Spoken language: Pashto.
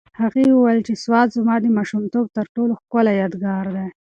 هغې وویل چې سوات زما د ماشومتوب تر ټولو ښکلی یادګار دی.